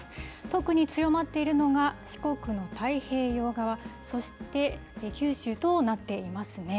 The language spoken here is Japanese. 特に強まっているのが、四国の太平洋側、そして、九州となっていますね。